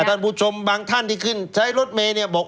ท่านผู้ชมบางท่านที่ขึ้นใช้รถเมย์เนี่ยบอก